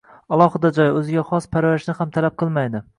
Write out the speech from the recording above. Alohida joy, o‘ziga xos parvarishni ham talab qilmaydi.